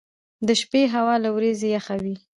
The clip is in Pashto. • د شپې هوا له ورځې یخه وي.